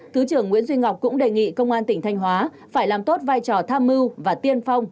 thứ trưởng nguyễn duy ngọc cũng đề nghị công an tỉnh thanh hóa phải làm tốt vai trò tham mưu và tiên phong